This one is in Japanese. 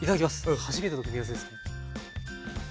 初めての組み合わせです。